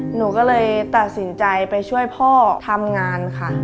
หนูก็เลยตัดสินใจไปช่วยพ่อทำงานค่ะ